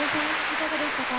いかがでしたか？